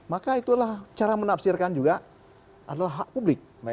maka itulah cara menafsirkan juga adalah hak publik